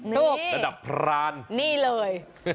ถูกระดับพรานนี่เลย